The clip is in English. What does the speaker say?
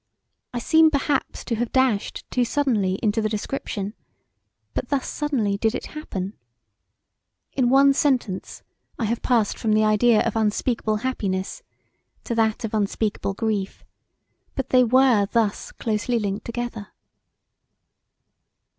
I seem perhaps to have dashed too suddenly into the description, but thus suddenly did it happen. In one sentence I have passed from the idea of unspeakable happiness to that of unspeakable grief but they were thus closely linked together.